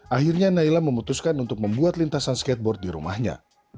akhirnya naila memutuskan untuk membuat lintasan skateboard di rumahnya